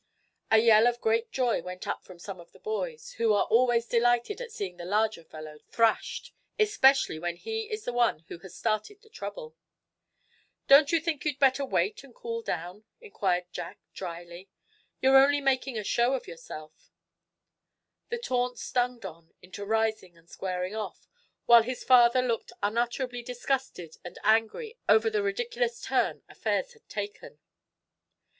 A yell of great joy went up from some of the boys, who are always delighted at seeing the larger fellow thrashed, especially when he is the one who has started the trouble. "Don't you think you'd better wait and cool down?" inquired Jack, dryly. "You're only making a show of yourself." That taunt stung Don into rising and squaring off, while his father looked unutterably disgusted and angry over the ridiculous turn affairs had taken.